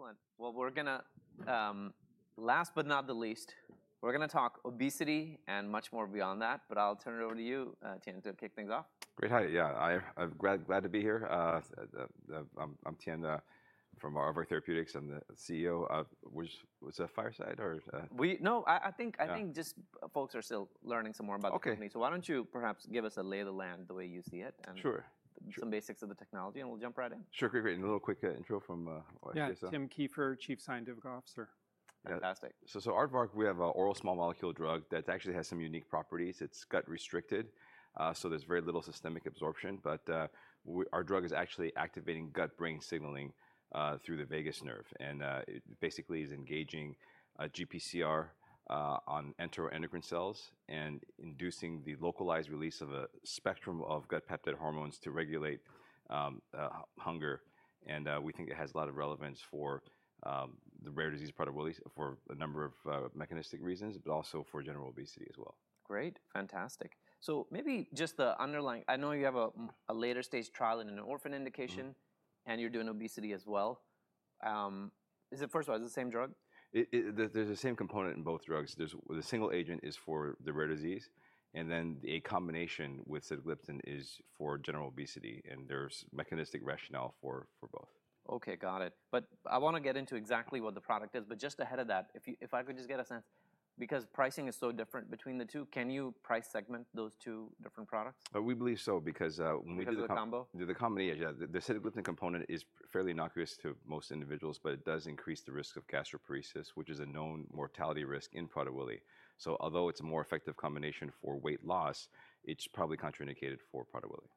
Okay, excellent. Well, last but not least, we're going to talk obesity and much more beyond that, but I'll turn it over to you, Tien, to kick things off. Great. Hi, yeah, I'm glad to be here. I'm Tien from Aardvark Therapeutics, and the CEO of—was that Fireside or? I think just folks are still learning some more about the company. So why don't you perhaps give us a lay of the land, the way you see it, and some basics of the technology, and we'll jump right in. Sure, great, great and a little quick intro from our CSO. Yeah, Tim Kieffer, Chief Scientific Officer. Fantastic. So, Aardvark, we have an oral small molecule drug that actually has some unique properties. It's gut-restricted, so there's very little systemic absorption, but our drug is actually activating gut-brain signaling through the vagus nerve, and it basically is engaging GPCR on enteroendocrine cells and inducing the localized release of a spectrum of gut peptide hormones to regulate hunger, and we think it has a lot of relevance for the rare disease part of well, at least for a number of mechanistic reasons, but also for general obesity as well. Great, fantastic. So maybe just the underlying, I know you have a later-stage trial in an orphan indication, and you're doing obesity as well. Is it, first of all, is it the same drug? It, there's the same component in both drugs. There's the single agent is for the rare disease, and then a combination with sitagliptin is for general obesity, and there's mechanistic rationale for both. Okay, got it. But I want to get into exactly what the product is, but just ahead of that, if you-if I could just get a sense, because pricing is so different between the two, can you price segment those two different products? We believe so, because, when we do Because of the combo? Do the combo, yeah, yeah, the sitagliptin component is fairly innocuous to most individuals, but it does increase the risk of gastroparesis, which is a known mortality risk in Prader-Willi. So although it's a more effective combination for weight loss, it's probably contraindicated for Prader-Willi.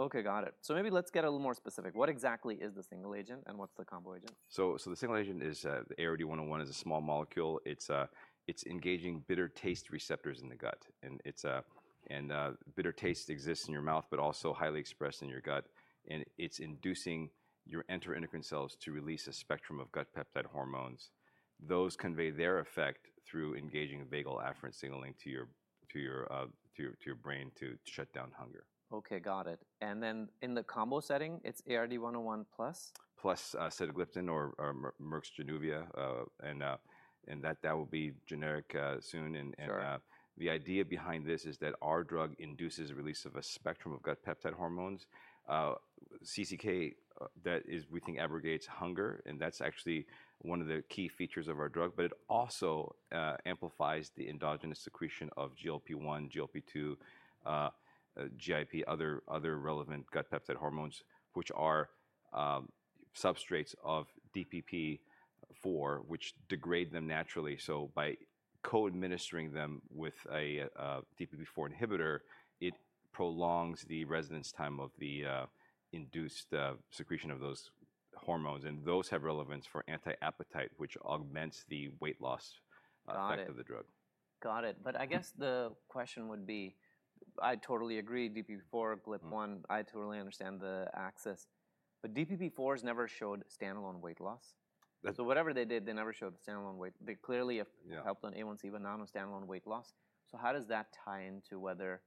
Okay, got it. So maybe let's get a little more specific. What exactly is the single agent, and what's the combo agent? So the single agent is, the ARD-101 is a small molecule. It's engaging bitter taste receptors in the gut, and bitter taste exists in your mouth, but also highly expressed in your gut, and it's inducing your enteroendocrine cells to release a spectrum of gut peptide hormones. Those convey their effect through engaging vagal afferent signaling to your brain to shut down hunger. Okay, got it. And then in the combo setting, it's ARD-101 plus? Plus sitagliptin or Merck Januvia, and that will be generic soon, and the idea behind this is that our drug induces a release of a spectrum of gut peptide hormones. CCK, that is, we think, abrogates hunger, and that's actually one of the key features of our drug, but it also amplifies the endogenous secretion of GLP-1, GLP-2, GIP, other relevant gut peptide hormones, which are substrates of DPP-4, which degrade them naturally. So by co-administering them with a DPP-4 inhibitor, it prolongs the residence time of the induced secretion of those hormones, and those have relevance for anti-appetite, which augments the weight loss effect of the drug. Got it. Got it. But I guess the question would be, I totally agree, DPP-4, GLP-1. I totally understand the axis, but DPP-4 has never showed standalone weight loss. So whatever they did, they never showed standalone weight. They clearly have helped on A1C, but none on standalone weight loss. So how does that tie into whether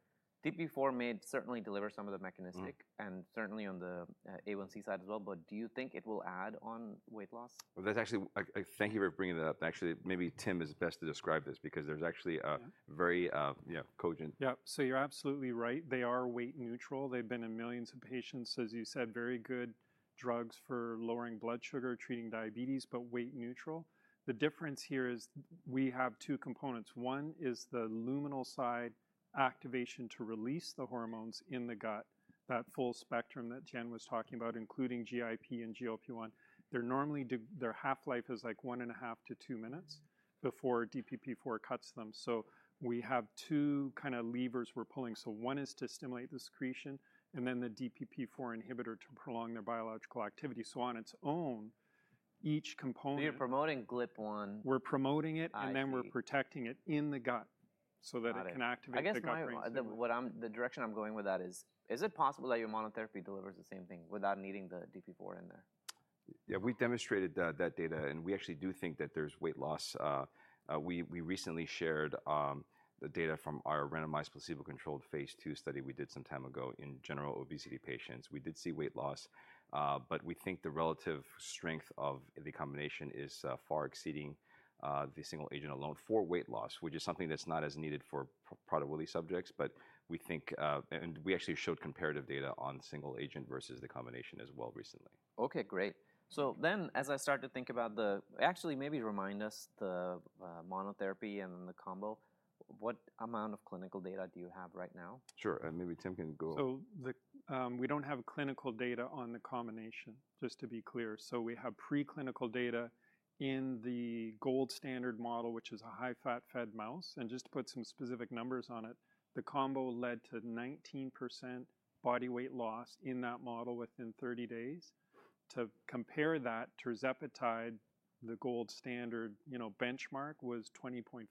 DPP-4 may certainly deliver some of the mechanistic and certainly on the A1C side as well, but do you think it will add on weight loss? That's actually, thank you for bringing that up. Actually, maybe Tim is best to describe this, because there's actually a very, you know, cogent. Yeah, so you're absolutely right. They are weight neutral. They've been in millions of patients, as you said, very good drugs for lowering blood sugar, treating diabetes, but weight neutral. The difference here is we have two components. One is the luminal side activation to release the hormones in the gut, that full spectrum that Tien was talking about, including GIP and GLP-1. They're normally, their half-life is like one and a half to two minutes before DPP-4 cuts them. So we have two kind of levers we're pulling. So one is to stimulate the secretion, and then the DPP-4 inhibitor to prolong their biological activity. So on its own, each component. You're promoting GLP-1. We're promoting it, and then we're protecting it in the gut so that it can activate the gut hormones. I guess the direction I'm going with that is, is it possible that your monotherapy delivers the same thing without needing the DPP-4 in there? Yeah, we demonstrated that, that data, and we actually do think that there's weight loss. We recently shared the data from our randomized placebo-controlled phase II study we did some time ago in general obesity patients. We did see weight loss, but we think the relative strength of the combination is far exceeding the single agent alone for weight loss, which is something that's not as needed for Prader-Willi subjects, but we think, and we actually showed comparative data on single agent versus the combination as well recently. Okay, great. So then, as I start to think about the, actually, maybe remind us the monotherapy and then the combo, what amount of clinical data do you have right now? Sure, and maybe Tim can go. We don't have clinical data on the combination, just to be clear. We have preclinical data in the gold standard model, which is a high-fat-fed mouse, and just to put some specific numbers on it, the combo led to 19% body weight loss in that model within 30 days. To compare that, tirzepatide, the gold standard, you know, benchmark was 20.5%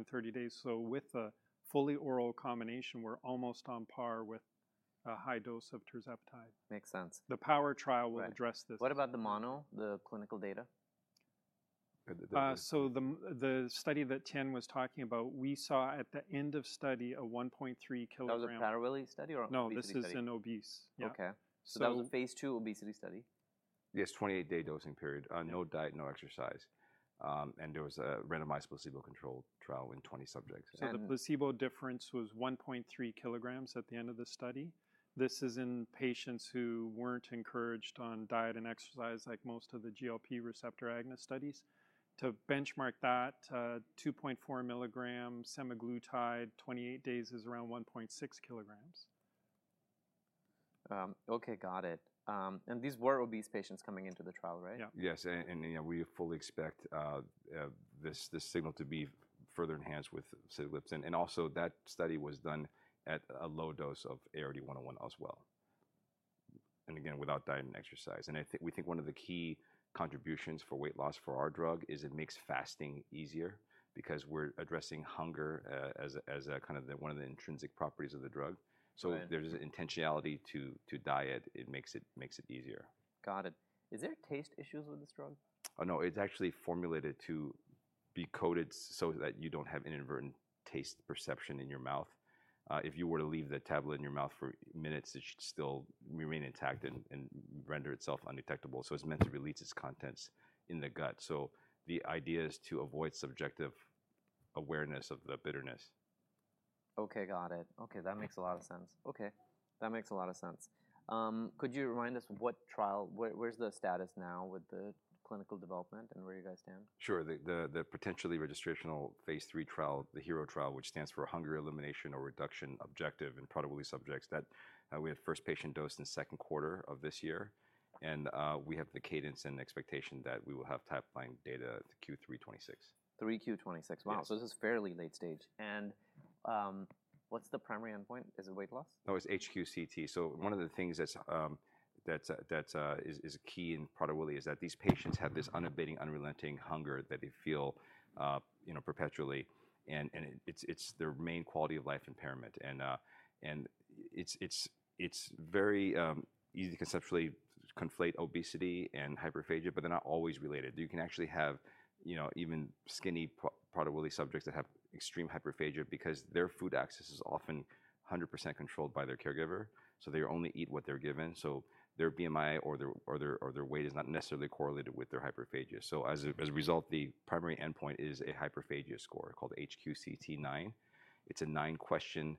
in 30 days. With a fully oral combination, we're almost on par with a high dose of tirzepatide. Makes sense. The POWER trial will address this. What about the mono, the clinical data? So the study that Tien was talking about, we saw at the end of study a 1.3 kilogram. That was a Prader-Willi study or. No, this is in obese. Okay. So that was a phase II obesity study? Yes, 28-day dosing period, no diet, no exercise, and there was a randomized placebo-controlled trial in 20 subjects. The placebo difference was 1.3 kilograms at the end of the study. This is in patients who weren't encouraged on diet and exercise, like most of the GLP receptor agonist studies. To benchmark that, 2.4 milligram semaglutide 28 days is around 1.6 kilograms. Okay, got it, and these were obese patients coming into the trial, right? Yes, and you know, we fully expect this signal to be further enhanced with sitagliptin. Also, that study was done at a low dose of ARD-101 as well. Again, without diet and exercise. I think one of the key contributions for weight loss for our drug is it makes fasting easier, because we're addressing hunger as a kind of one of the intrinsic properties of the drug, so there's an intentionality to diet. It makes it easier. Got it. Is there taste issues with this drug? No, it's actually formulated to be coated so that you don't have inadvertent taste perception in your mouth. If you were to leave the tablet in your mouth for minutes, it should still remain intact and render itself undetectable. So it's meant to release its contents in the gut. So the idea is to avoid subjective awareness of the bitterness. Okay, got it. Okay, that makes a lot of sense. Could you remind us what trial-where's the status now with the clinical development and where you guys stand? Sure, the potentially registrational phase III trial, the HERO trial, which stands for Hunger Elimination or Reduction Objective in Prader-Willi subjects, that we had first patient dose in the second quarter of this year. And we have the cadence and expectation that we will have top line data Q3 2026. 3Q 2026, wow. So this is fairly late stage. And, what's the primary endpoint? Is it weight loss? No, it's HQ-CT. So one of the things that's key in Prader-Willi is that these patients have this unabating, unrelenting hunger that they feel, you know, perpetually, and it's very easy to conceptually conflate obesity and hyperphagia, but they're not always related. You can actually have, you know, even skinny Prader-Willi subjects that have extreme hyperphagia, because their food access is often 100% controlled by their caregiver, so they only eat what they're given. So their BMI or their weight is not necessarily correlated with their hyperphagia. So as a result, the primary endpoint is a hyperphagia score called HQ-CT9. It's a nine-question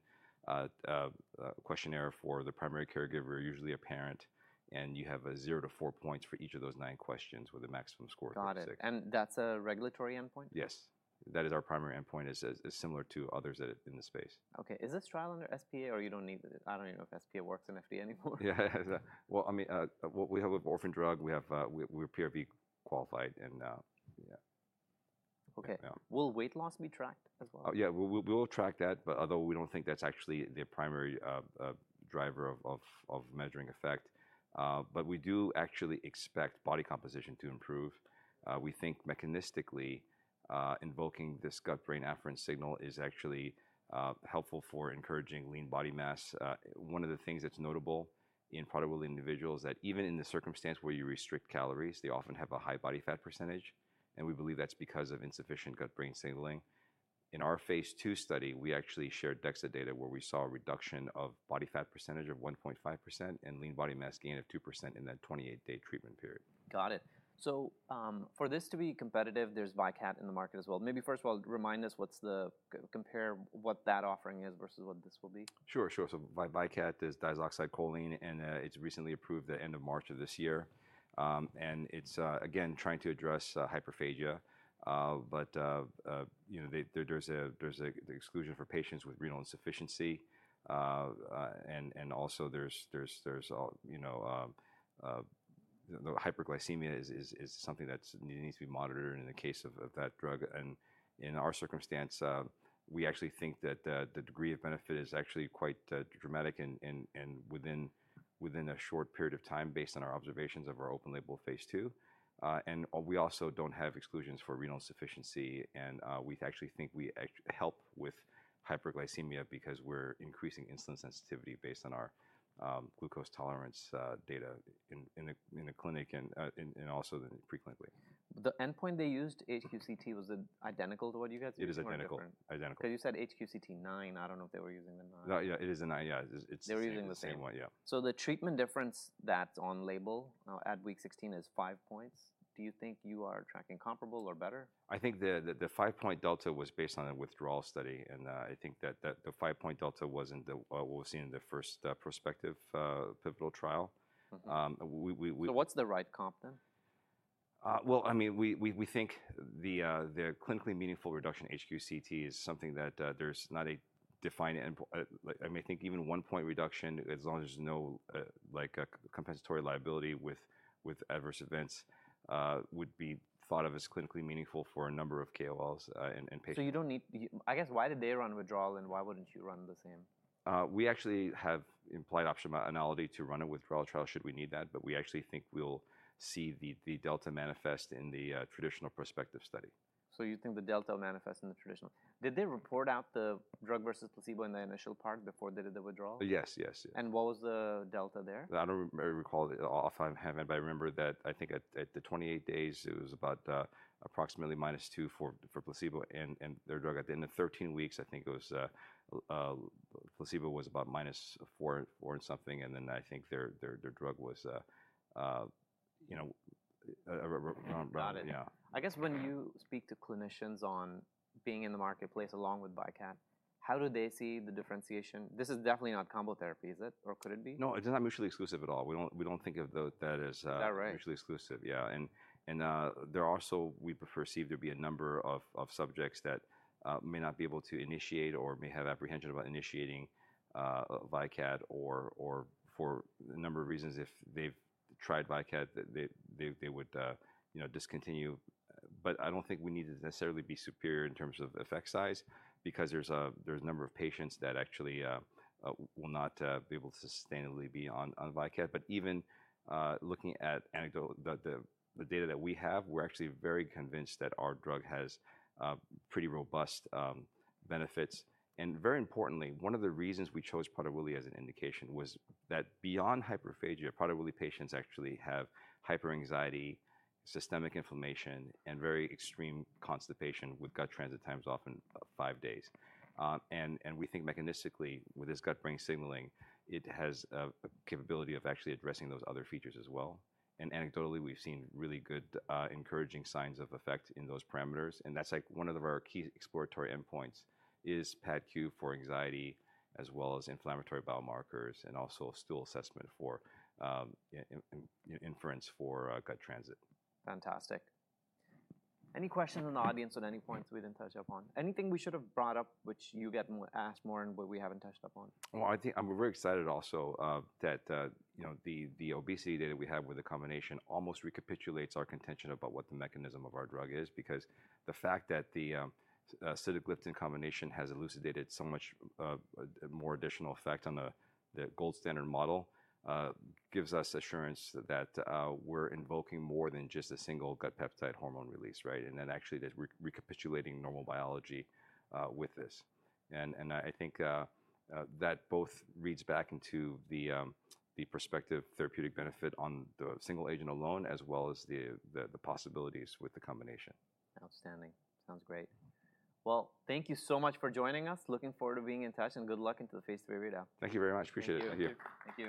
questionnaire for the primary caregiver, usually a parent, and you have a zero to four points for each of those nine questions with a maximum score of six. Got it, and that's a regulatory endpoint? Yes, that is our primary endpoint. It's similar to others that are in the space. Okay, is this trial under SPA or you don't need, I don't even know if SPA works in FDA anymore? Yeah, yeah, yeah. Well, I mean, well, we have an orphan drug. We have, we're PWS qualified and, yeah. Okay, will weight loss be tracked as well? Yeah, we will track that, but although we don't think that's actually the primary driver of measuring effect, but we do actually expect body composition to improve. We think mechanistically, invoking this gut-brain afferent signal is actually helpful for encouraging lean body mass. One of the things that's notable in Prader-Willi individuals is that even in the circumstance where you restrict calories, they often have a high body fat percentage, and we believe that's because of insufficient gut-brain signaling. In our phase II study, we actually shared DEXA data where we saw a reduction of body fat percentage of 1.5% and lean body mass gain of 2% in that 28-day treatment period. Got it. So, for this to be competitive, there's VYKAT in the market as well. Maybe first of all, remind us, compare what that offering is versus what this will be. Sure, sure. So VYKAT is diazoxide choline, and it's recently approved at the end of March of this year. And it's again trying to address hyperphagia, but you know, there's a the exclusion for patients with renal insufficiency, and also there's all you know, the hyperglycemia is something that needs to be monitored in the case of that drug. And in our circumstance, we actually think that the degree of benefit is actually quite dramatic and within a short period of time based on our observations of our open label phase II. And we also don't have exclusions for renal insufficiency, and we actually think we help with hyperglycemia because we're increasing insulin sensitivity based on our glucose tolerance data in a clinic and also pre-clinically. The endpoint they used, HQ-CT, was identical to what you guys used? It is identical. Identical. Because you said HQ-CT9, I don't know if they were using the nine. No, yeah, it is a nine, yeah. It's, it's. They're using the same. The same one, yeah. The treatment difference that's on label at week 16 is five points. Do you think you are tracking comparable or better? I think the five-point delta was based on a withdrawal study, and I think that the five-point delta wasn't what was seen in the first prospective pivotal trial. So what's the right comp then? I mean, we think the clinically meaningful reduction HQ-CT is something that there's not a defined endpoint. I mean, I think even one-point reduction, as long as there's no like a compensatory liability with adverse events, would be thought of as clinically meaningful for a number of KOLs, and patients. So you don't need, I guess, why did they run withdrawal and why wouldn't you run the same? We actually have implied optionality to run a withdrawal trial should we need that, but we actually think we'll see the delta manifest in the traditional prospective study. So you think the delta manifests in the traditional. Did they report out the drug versus placebo in the initial part before they did the withdrawal? Yes, yes, yes. What was the delta there? I don't recall offhand, but I remember that I think at the 28 days, it was about approximately -2 for placebo and their drug. At the end of 13 weeks, I think it was placebo was about -3, four and something, and then I think their drug was, you know, yeah. I guess when you speak to clinicians on being in the marketplace along with VYKAT, how do they see the differentiation? This is definitely not combo therapy, is it? Or could it be? No, it's not mutually exclusive at all. We don't think of that as, Is that right? Mutually exclusive, yeah. And there are also—we perceive there be a number of subjects that may not be able to initiate or may have apprehension about initiating VYKAT or for a number of reasons, if they've tried VYKAT, they would, you know, discontinue. But I don't think we need to necessarily be superior in terms of effect size, because there's a number of patients that actually will not be able to sustainably be on VYKAT. But even looking at anecdotal the data that we have, we're actually very convinced that our drug has pretty robust benefits. And very importantly, one of the reasons we chose Prader-Willi as an indication was that beyond hyperphagia, Prader-Willi patients actually have hyperanxiety, systemic inflammation, and very extreme constipation with gut transit times often five days. And we think mechanistically with this gut-brain signaling, it has a capability of actually addressing those other features as well. And anecdotally, we've seen really good, encouraging signs of effect in those parameters. And that's like one of our key exploratory endpoints is PADQ for anxiety, as well as inflammatory bowel markers and also stool assessment for inference of gut transit. Fantastic. Any questions in the audience on any points we didn't touch upon? Anything we should have brought up which you get asked more and we haven't touched upon? I think I'm very excited also that you know the obesity data we have with the combination almost recapitulates our contention about what the mechanism of our drug is, because the fact that the sitagliptin combination has elucidated so much more additional effect on the gold standard model gives us assurance that we're invoking more than just a single gut peptide hormone release, right? Then actually that we're recapitulating normal biology with this. I think that both reads back into the prospective therapeutic benefit on the single agent alone, as well as the possibilities with the combination. Outstanding. Sounds great. Well, thank you so much for joining us. Looking forward to being in touch and good luck into the phase III readout. Thank you very much. Appreciate it. Thank you. Thank you.